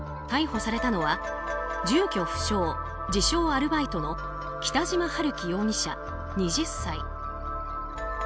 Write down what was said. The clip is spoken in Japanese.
逮捕されたのは住居不詳自称アルバイトの北島陽樹容疑者、２０歳。